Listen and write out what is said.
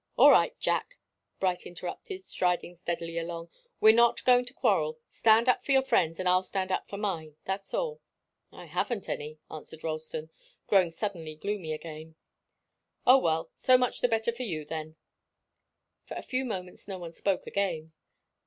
"All right, Jack," Bright interrupted, striding steadily along. "We're not going to quarrel. Stand up for your friends, and I'll stand up for mine. That's all." "I haven't any," answered Ralston, growing suddenly gloomy again. "Oh! Well so much the better for you, then." For a few moments no one spoke again.